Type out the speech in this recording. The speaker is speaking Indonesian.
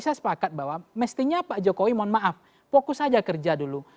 saya sepakat bahwa mestinya pak jokowi mohon maaf fokus aja kerja dulu